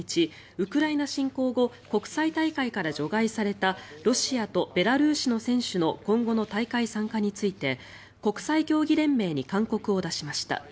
ウクライナ侵攻後国際大会から除外されたロシアとベラルーシの選手の今後の大会参加について国際競技連盟に勧告を出しました。